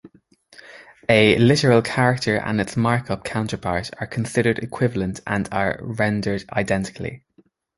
A literal character and its markup counterpart are considered equivalent and are rendered identically.